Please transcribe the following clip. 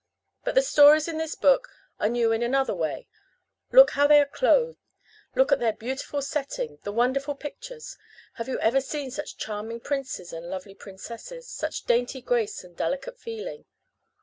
But the stories in this book are new in another way. Look how they are clothed, look at their beautiful setting, the wonderful pictures! Have you ever seen such charming princes and lovely princesses, such dainty grace and delicate feeling?